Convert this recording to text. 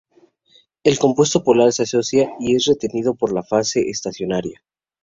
El compuesto polar se asocia y es retenido por la fase estacionaria.